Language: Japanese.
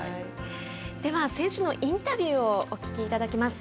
選手のインタビューをお聞きいただきます。